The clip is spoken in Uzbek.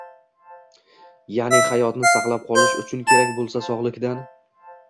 Ya’ni hayotni saqlab qolish uchun kerak bo‘lsa sog‘likdan